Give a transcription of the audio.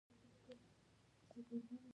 له ترخو مې یو یو خوږ غړپ کاوه.